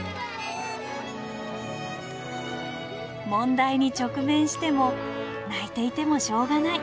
問題に直面しても泣いていてもしょうがない。